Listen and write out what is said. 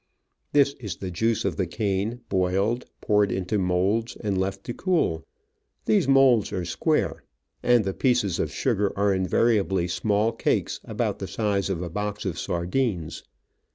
This is the juice of the cane boiled, poured into moulds, and left to cool. These moulds are square, and the pieces of sugar are invari ably small cakes about the size of a box of sardines.